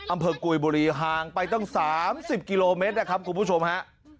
กุยบุรีห่างไปตั้ง๓๐กิโลเมตรนะครับคุณผู้ชมฮะ